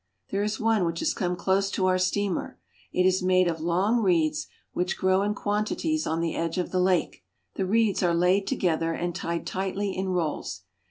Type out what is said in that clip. There is one which has come close to our steamer. It is made of long reeds, which grow in quantities on the edge of the lake. The reeds are laid together and tied tightly in rolls.